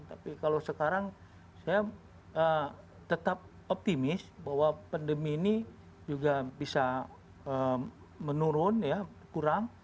tapi kalau sekarang saya tetap optimis bahwa pandemi ini juga bisa menurun ya kurang